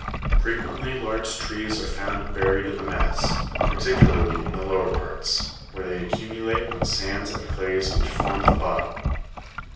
Frequently large trees are found buried in the mass, particularly in the lower parts, where they accumulate on sands and clays which form the bottom.